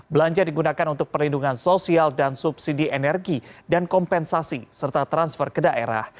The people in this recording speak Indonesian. belanja digunakan untuk perlindungan sosial dan subsidi energi dan kompensasi serta transfer ke daerah